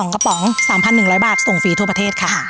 กระป๋อง๓๑๐๐บาทส่งฟรีทั่วประเทศค่ะ